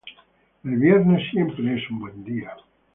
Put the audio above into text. El viernes siempre es un buen día.